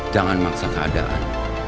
jangan maksa keadaan